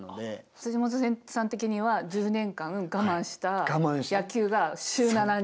本さん的には１０年間我慢した野球が週７に？